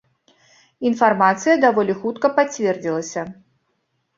Інфармацыя даволі хутка пацвердзілася.